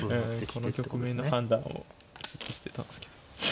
うんこの局面の判断をずっとしてたんですけど。